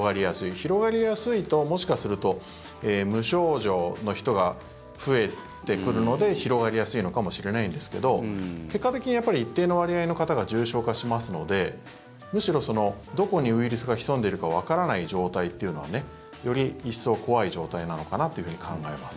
広がりやすいと、もしかすると無症状の人が増えてくるので広がりやすいのかもしれないですけど結果的に、一定の割合の方が重症化しますのでむしろどこにウイルスが潜んでいるかわからない状態というのがより一層怖い状態なのかなというふうに考えます。